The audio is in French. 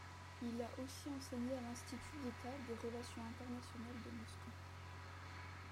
Il a aussi enseigné à l'Institut d'État des relations internationales de Moscou.